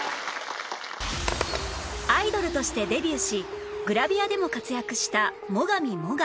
アイドルとしてデビューしグラビアでも活躍した最上もが